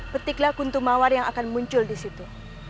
petiklah kuntumawar yang akan muncul di situ